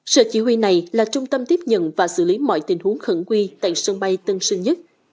sở chỉ huy này là trung tâm tiếp nhận và xử lý mọi tình huống khẩn quy tại sân bay tân sơn nhất